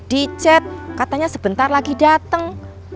udah dicet katanya sebentar lagi dateng